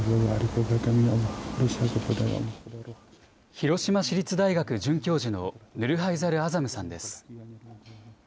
広島市立大学准教授のヌルハイザル・アザムさんです。